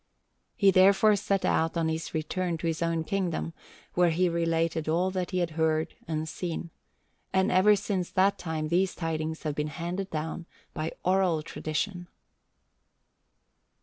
He therefore set out on his return to his own kingdom, where he related all that he had seen and heard, and ever since that time these tidings have been handed down by oral tradition.